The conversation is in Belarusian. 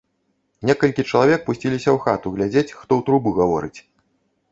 Некалькі чалавек пусціліся ў хату глядзець, хто ў трубу гаворыць.